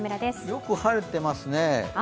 よく晴れてますね。